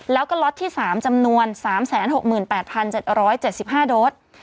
แล้วก็ล็อตที่๓จำนวน๓๖๘๗๗๕โดส